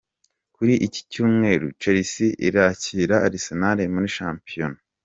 Kuri iki Cyumweru, Chelsea irakira Arsenal muri shampiyona.